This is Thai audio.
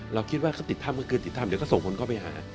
เราคิดว่าเขาติดถ้ำก็คือติดถ้ำเดี๋ยวก็ส่งคนเข้าไปหา